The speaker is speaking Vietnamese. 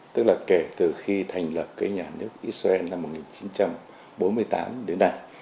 tức là kể từ khi thành lập cái nhà nước israel năm một nghìn chín trăm bốn mươi tám đến nay